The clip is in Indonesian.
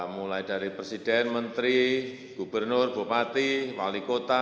mulai dari presiden menteri gubernur bupati wali kota